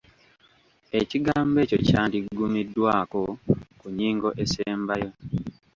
Ekigambo ekyo kyandiggumiddwako ku nnyingo esembayo.